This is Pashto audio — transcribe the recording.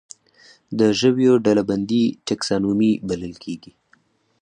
د ژویو ډلبندي ټکسانومي بلل کیږي